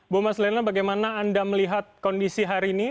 bu mas lena bagaimana anda melihat kondisi hari ini